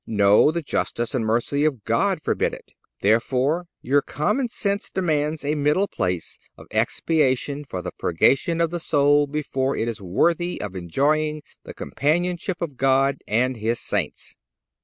No; the justice and mercy of God forbid it. Therefore, your common sense demands a middle place of expiation for the purgation of the soul before it is worthy of enjoying the companionship of God and His Saints.